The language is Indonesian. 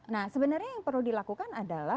nah sebenarnya yang perlu dilakukan adalah